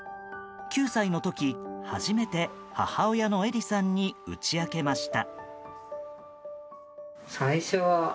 ９歳の時、初めて母親の絵理さんに打ち明けました。